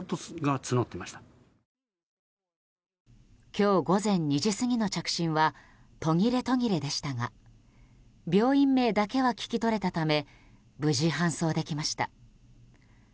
今日午前２時過ぎの着信は途切れ途切れでしたが病院名だけは聞き取れたため無事、搬送できました。